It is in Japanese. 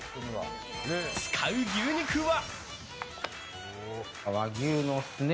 使う牛肉は。